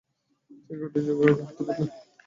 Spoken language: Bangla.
তিনি রুটি যোগাড় করতেন।